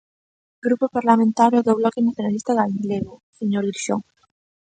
Grupo Parlamentario do Bloque Nacionalista Galego, señor Grixó.